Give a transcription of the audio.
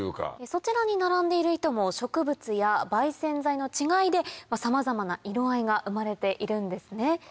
そちらに並んでいる糸も植物や媒染剤の違いでさまざまな色合いが生まれているんですね。